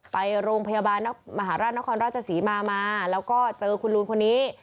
ไปโรงพยาบาลมหาราชนครราชศรีมามาแล้วก็เจอคุณลุงคนนี้